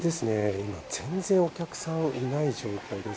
今、全然お客さんいない状態です。